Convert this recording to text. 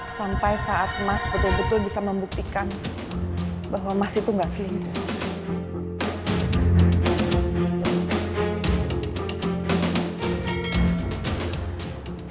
sampai saat mas betul betul bisa membuktikan bahwa mas itu nggak single